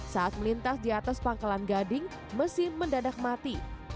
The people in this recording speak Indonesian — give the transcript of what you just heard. saat melintas di atas pangkalan gading mesin mendadak mati